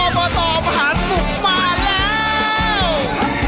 อบเตอร์มหาสนุกมาแล้ว